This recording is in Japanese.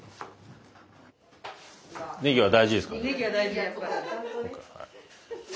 ねぎは大事ですから。